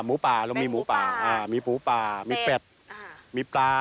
หมูป่าเรามีหมูป่ามีหมูป่ามีเป็ดมีปลา